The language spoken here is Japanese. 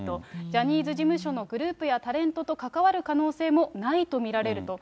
ジャニーズ事務所のグループやタレントと関わる可能性もないと見られると。